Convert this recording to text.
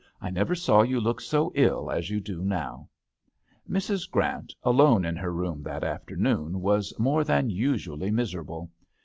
I never saw you look so ill as you do now." Mrs. Grant, alone in her room that afternoon, was more than usually miserable.